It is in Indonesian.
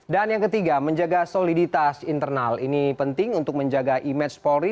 dan yang ketiga menjaga soliditas internal ini penting untuk menjaga image polri